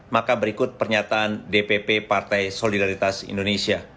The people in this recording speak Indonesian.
maka berikut pernyataan dpp partai solidaritas indonesia